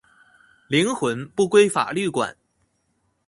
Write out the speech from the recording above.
靈魂不歸法律管